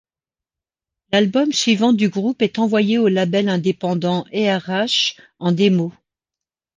L'album suivant du groupe est envoyé au label indépendant Earache, en démo.